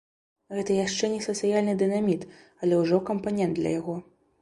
Гэта яшчэ не сацыяльны дынаміт, але ўжо кампанент для яго.